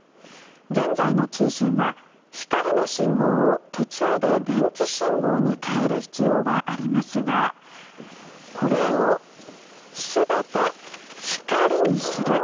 現在の通信は光の信号を途中で電気信号に変える必要がありますがこれを全て光にする。